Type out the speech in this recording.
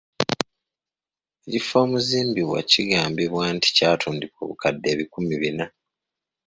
Ekifo omuzimbibwa kigambibwa okuba nga kyatundiddwa obukadde ebikumi bina.